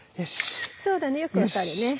そうだねよく分かるね。